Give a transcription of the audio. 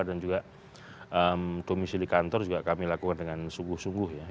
dan juga domisi di kantor juga kami lakukan dengan sungguh sungguh ya